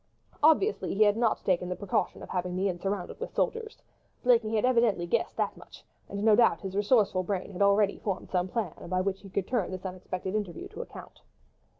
Obviously he had not taken the precaution of having the inn surrounded with soldiers. Blakeney had evidently guessed that much, and no doubt his resourceful brain had already formed some plan by which he could turn this unexpected interview to account.